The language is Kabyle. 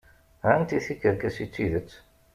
Anti tikerkas i d tidet?